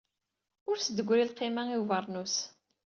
Ur s-d-tegri lqima i ubernus.